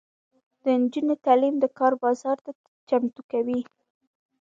د نجونو تعلیم د کار بازار ته چمتو کوي.